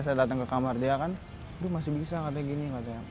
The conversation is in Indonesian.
saya datang ke kamar dia kan aduh masih bisa katanya gini